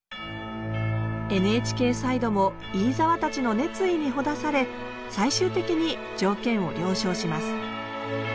ＮＨＫサイドも飯沢たちの熱意にほだされ最終的に条件を了承します。